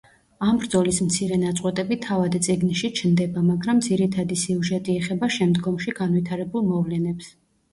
ამ ბრძოლის მცირე ნაწყვეტები თავად წიგნში ჩნდება, მაგრამ ძირითადი სიუჟეტი ეხება შემდგომში განვითარებულ მოვლენებს.